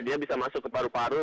dia bisa masuk ke paru paru